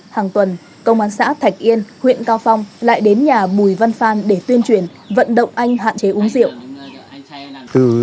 hàng tuần công an xã thạch yên huyện cao phong lại đến nhà bùi văn phan để tuyên truyền vận động anh hạn chế uống rượu